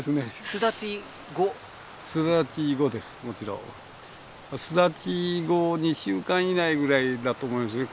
巣立ち後２週間以内ぐらいだと思いますね